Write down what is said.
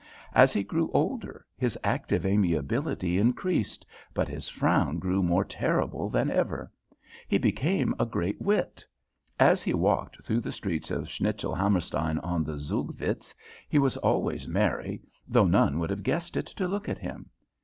As he grew older his active amiability increased, but his frown grew more terrible than ever. He became a great wit. As he walked through the streets of Schnitzelhammerstein on the Zugvitz he was always merry, though none would have guessed it to look at him.